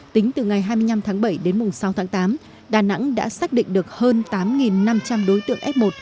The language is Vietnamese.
tính từ ngày hai mươi năm tháng bảy đến mùng sáu tháng tám đà nẵng đã xác định được hơn tám năm trăm linh đối tượng f một